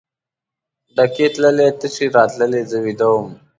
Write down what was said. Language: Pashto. ډکې تللې تشې راتللې زه ویده وم.